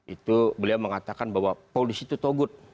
itu beliau mengatakan bahwa polisi itu togut